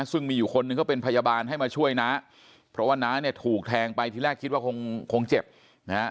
ซึ่งมีอยู่คนหนึ่งก็เป็นพยาบาลให้มาช่วยน้าเพราะว่าน้าเนี่ยถูกแทงไปที่แรกคิดว่าคงคงเจ็บนะฮะ